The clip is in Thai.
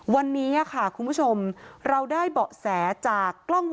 วันนี้ค่ะคุณผู้ชมเราได้เบาะแสจากกล้อง